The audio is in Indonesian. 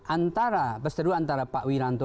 antara perseteru antara pak wiranto